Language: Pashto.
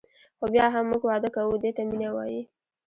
خو بیا هم موږ واده کوو دې ته مینه وايي.